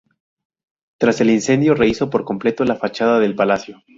Tas el incendio rehízo por completo la fachada del palacio.